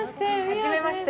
はじめまして。